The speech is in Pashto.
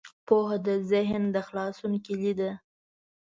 پوهه د ذهن د خلاصون کلید دی.